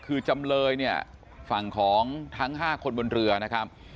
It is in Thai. คือจำเลยเนี่ยฝั่งของทั้ง๕คนบนเรือนะครับ